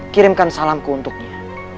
kirimkan salamku untuknya